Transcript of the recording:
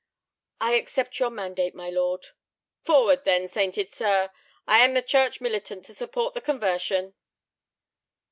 "I accept your mandate, my lord." "Forward, then, sainted sir; I am the church militant to support the conversion."